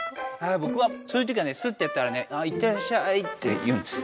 えぼくはそういうときはねスッてやったらね「あいってらっしゃい」って言うんです。